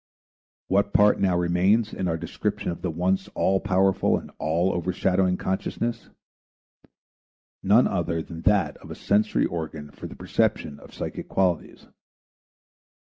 What part now remains in our description of the once all powerful and all overshadowing consciousness? None other than that of a sensory organ for the perception of psychic qualities.